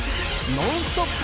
ノンストップ！